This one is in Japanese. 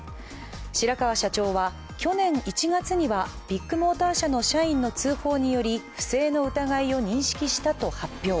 白川社長は去年１月にはビッグモーター社の社員の通報により、不正の疑いを認識したと発表。